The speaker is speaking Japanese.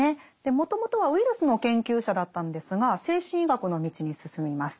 もともとはウイルスの研究者だったんですが精神医学の道に進みます。